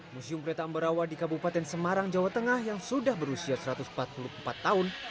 museum kereta ambarawa di kabupaten semarang jawa tengah yang sudah berusia satu ratus empat puluh empat tahun